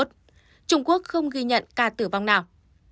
trung quốc không ghi nhận ca tử vong nào